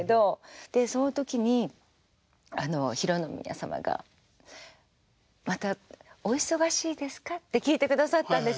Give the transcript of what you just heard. でその時に浩宮さまがまた「お忙しいですか？」って聞いてくださったんですよ。